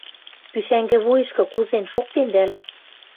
Пушӓнгӹ вуйышкы кузен шоктем вӓл?